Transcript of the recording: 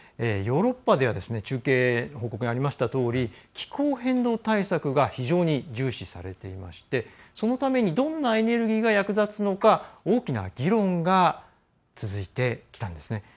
ヨーロッパでは報告にありましたとおり気候変動対策が非常に重視されていましてそのためにどんなエネルギーが役立つのか大きな議論が続いてきたんですね。